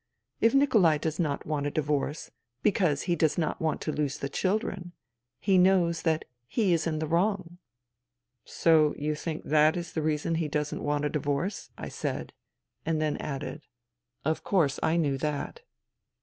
If Nikolai does not want a divorce because he does not want to lose the children, he knows that he is in the wrong.'* " So you think that is the reason he doesn't want a divorce ?" I said, and then added, " Of course I knew that."